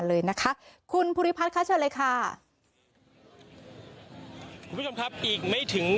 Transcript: เลยนะคะคุณภูริพัฒน์ค่ะเชิญเลยค่ะคุณผู้ชมครับอีกไม่ถึง